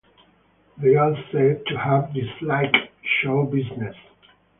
They are said to have disliked show business.